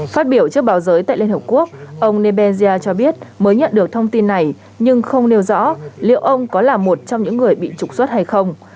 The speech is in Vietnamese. phát biểu trước báo giới tại liên hợp quốc ông nebensia cho biết mới nhận được thông tin này nhưng không nêu rõ liệu ông có là một trong những người bị trục xuất hay không